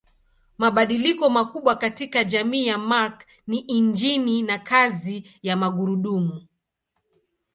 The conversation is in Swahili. Mabadiliko makubwa katika jamii ya Mark ni injini na kazi ya magurudumu.